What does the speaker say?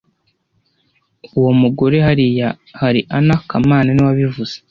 Uwo mugore hariya hari Ana kamana niwe wabivuze